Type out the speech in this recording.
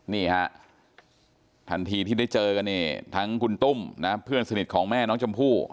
นี่ฮะทันทีที่ได้เจอกันเนี่ยทั้งคุณตุ้มนะเพื่อนสนิทของแม่น้องชมพู่